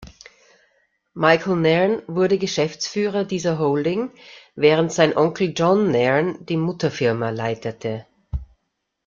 Michael Nairn wurde Geschäftsführer dieser Holding, während sein Onkel John Nairn die Mutterfirma leitete.